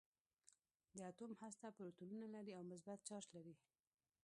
د اتوم هسته پروتونونه لري او مثبت چارج لري.